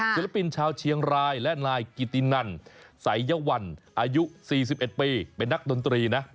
ศิลปินชาวเชียงรายและนายกิตินันสายวันอายุ๔๑ปีเป็นนักดนตรีนะ